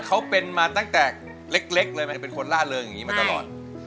เขาเป็นมาตั้งแต่เล็กเลยมันเป็นคนล่าเริงอย่างนี้มาตลอด